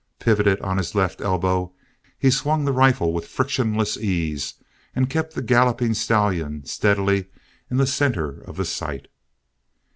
Pivoted on his left elbow, he swung the rifle with frictionless ease and kept the galloping stallion steadily in the center of the sight.